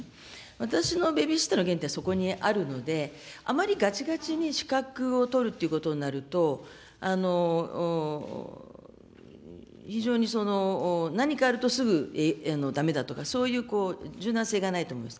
私のベビーシッターの原点はそこにあるので、あまりがちがちに資格を取るということになると、非常に、何かあるとすぐだめだとか、そういう柔軟性がないと思うんです。